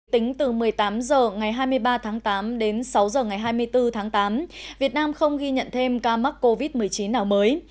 tính từ một mươi tám h ngày hai mươi ba tháng tám đến sáu h ngày hai mươi bốn tháng tám việt nam không ghi nhận thêm ca mắc covid một mươi chín nào mới